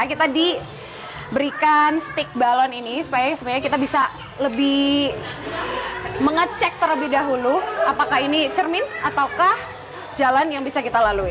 kita diberikan stick balon ini supaya kita bisa lebih mengecek terlebih dahulu apakah ini cermin ataukah jalan yang bisa kita lalui